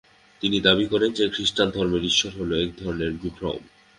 তিনি দাবী করেন যে খ্রিস্টধর্মের ঈশ্বর হল এক ধরনের বিভ্রম।